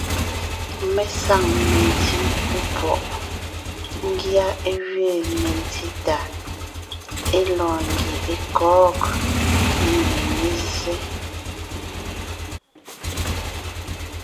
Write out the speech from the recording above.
Mé saŋ memdí epwɔʼ, ńgyá é gẅiin mentí tàa páʼ é lɔɔn ńgie é kɔ̌g, emie mé zsé.